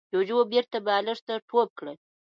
جوجو بېرته بالښت ته ټوپ کړ.